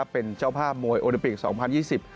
เป็นเจ้าภาพมวยโอลิมิกส์๒๐๒๐